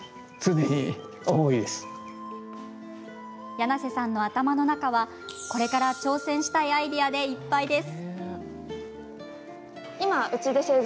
柳瀬さんの頭の中はこれから挑戦したいアイデアでいっぱいです。